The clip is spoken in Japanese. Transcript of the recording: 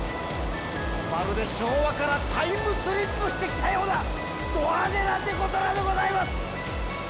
まるで昭和からタイムスリップしてきたような、ド派手なデコトラでございます。